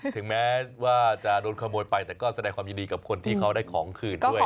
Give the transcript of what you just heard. ถึงแม้ว่าจะโดนขโมยไปแต่ก็แสดงความยินดีกับคนที่เขาได้ของคืนด้วย